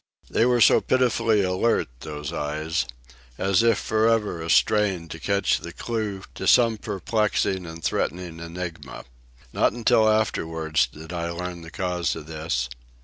They were so pitifully alert, those eyes, as if forever astrain to catch the clue to some perplexing and threatening enigma. Not until afterwards did I learn the cause of this.